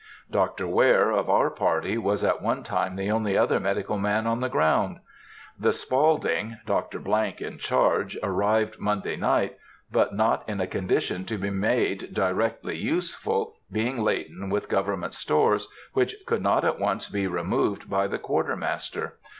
Dr. Ware, of our party, was at one time the only other medical man on the ground. The Spaulding, Dr. —— in charge, arrived Monday night, but not in a condition to be made directly useful, being laden with government stores, which could not at once be removed by the quartermaster.